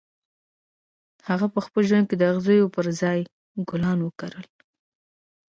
هغه په خپل ژوند کې د اغزیو پر ځای ګلان وکرل